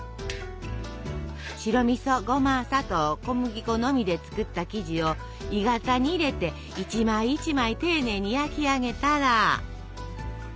白みそゴマ砂糖小麦粉のみで作った生地を鋳型に入れて一枚一枚丁寧に焼き上げたら。